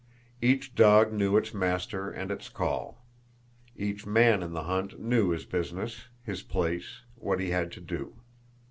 Each dog knew its master and its call. Each man in the hunt knew his business, his place, what he had to do.